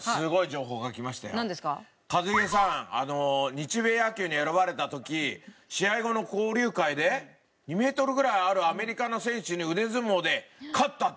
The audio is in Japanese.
日米野球に選ばれた時試合後の交流会で２メートルぐらいあるアメリカの選手に腕相撲で勝ったって。